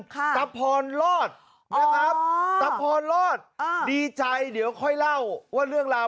ตะพรรอดนะครับตะพรรอดอ่าดีใจเดี๋ยวค่อยเล่าว่าเรื่องราว